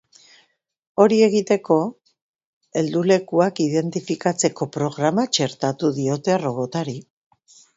Hori egiteko, heldulekuak identifikatzeko programa txertatu diote robotari.